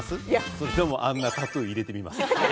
それともあんなタトゥー入れてみます？